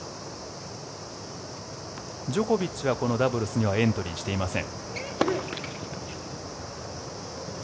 ジョコビッチはこのダブルスにはエントリーしていません。